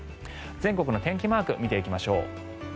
全国の天気マーク見ていきましょう。